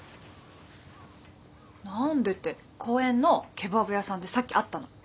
何でって公園のケバブ屋さんでさっき会ったの。